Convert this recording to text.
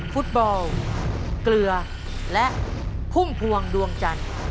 ฟุตบอลเกลือและพุ่มพวงดวงจันทร์